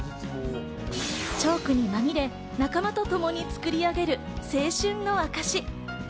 チョークにまみれ仲間とともに作り上げる青春の証し。